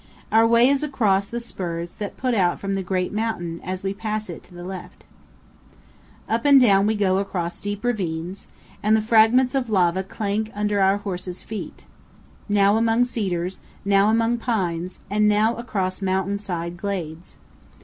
Our way is across the spurs that put out from the great mountain as we pass it to the left. THE RIO VIRGEN AND THE UINKARET MOUNTAINS. 301 Up and down we go across deep ravines, and the fragments of lava clank under our horses' feet; now among cedars, now among pines, and now across mountain side glades.